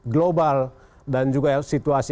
global dan juga situasi